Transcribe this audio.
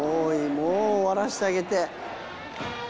もう終わらせてあげて。